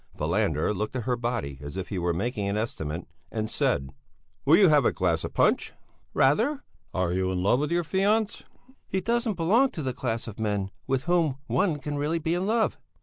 Falander looked at her body as if he were making an estimate, and said: "Will you have a glass of punch?" "Rather!" "Are you in love with your fiancé?" "He doesn't belong to the class of men with whom one can really be in love.